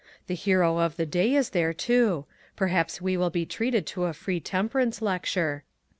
The hero of the day is there, too ; perhaps we will be treated to a free temperance lecture."